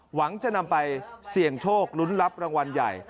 หวังจะนำไปเสี่ยงโชคลุ้นรับรางวัลใหญ่